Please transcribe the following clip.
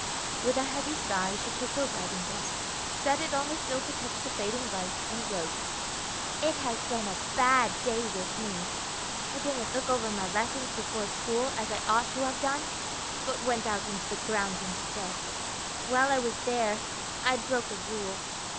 With a heavy sigh she took her writing desk, set it on the sill to catch the fading light, and wrote: "It has been a bad day with me. I didn't look over my lessons before school, as I ought to have done, but went out in the grounds instead. While I was there, I broke a rule.